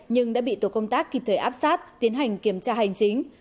nhưng đã bị tổ công tác kịp thời áp sát tiến hành kiểm tra hành chính